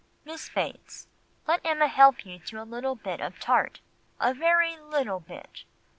Miss Bates, let Emma help you to a little bit of tart—a very little bit.